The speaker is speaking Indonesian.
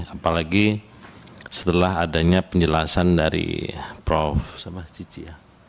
apalagi setelah adanya penjelasan dari prof cici ya